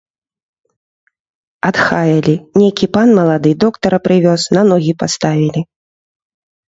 Адхаялі, нейкі пан малады доктара прывёз, на ногі паставілі.